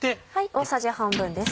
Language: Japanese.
大さじ半分です。